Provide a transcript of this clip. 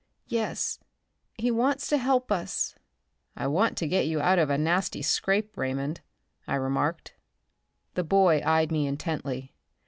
"Yes, he wants to help us." "I want to get you out of a nasty scrape, Raymond," I remarked. The boy eyed me intently.